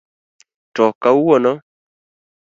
To kawuono?